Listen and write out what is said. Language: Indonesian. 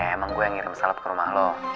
emang gue yang ngirim salap ke rumah lo